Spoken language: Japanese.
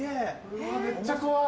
うわめっちゃ怖い！